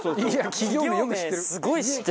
企業名すごい知ってるな。